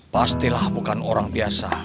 pastilah bukan orang biasa